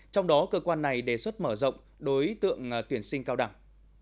trong đó cơ quan này đề xuất mở rộng đối tượng tuyển sinh cao đẳng